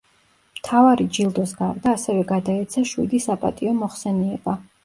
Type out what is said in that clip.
მთავარი ჯილდოს გარდა, ასევე გადაეცა შვიდი „საპატიო მოხსენიება“.